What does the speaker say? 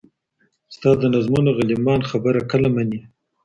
ستا د نظمونو غلیمان خبره کله مني.